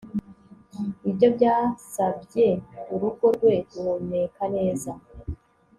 Ibyo byasabye urugo rwe guhumeka neza